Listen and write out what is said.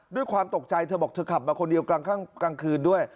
ด้วยความตกใจเธอบอกเธอขับมาคนเดียวกลางคืนด้วย